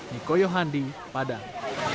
niko yohandi padang